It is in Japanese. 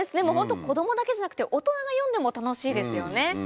もうホント子供だけじゃなくて大人が読んでも楽しいですよね。